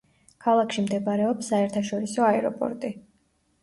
ქალაქში მდებარეობს საერთაშორისო აეროპორტი.